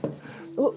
おっ。